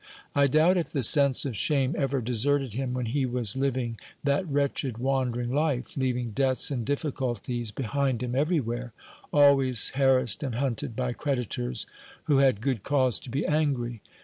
I doubt if the sense of shame ever deserted him when he was living that wretched wandering life, leaving debts and difficulties behind him everywhere always harassed and hunted by creditors, who had good cause to be angry.